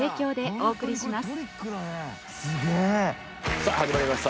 さぁ始まりました